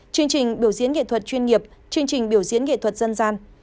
chương trình biểu diễn nghệ thuật chuyên nghiệp chương trình biểu diễn nghệ thuật dân gian